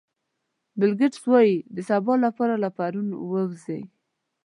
بیل ګېټس وایي د سبا لپاره له پرون ووځئ.